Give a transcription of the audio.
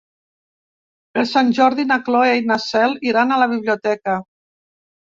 Per Sant Jordi na Cloè i na Cel iran a la biblioteca.